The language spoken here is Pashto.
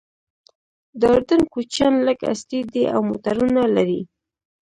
د اردن کوچیان لږ عصري دي او موټرونه لري.